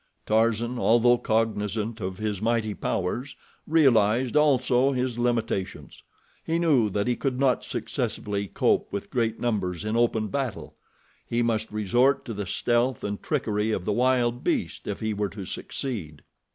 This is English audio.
Tarzan, although cognizant of his mighty powers, realized also his limitations. He knew that he could not successfully cope with great numbers in open battle. He must resort to the stealth and trickery of the wild beast, if he were to succeed.